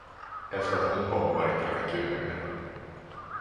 Efter att hon kom var det inte lika kul längre.